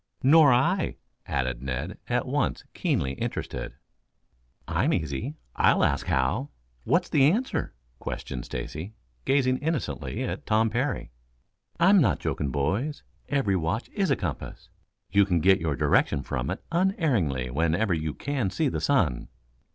"Nor I," added Ned, at once keenly interested. "I'm easy. I'll ask how? What's the answer?" questioned Stacy, gazing innocently at Tom Parry. "I am not joking, boys. Every watch is a compass. You can get your direction from it unerringly whenever you can see the sun."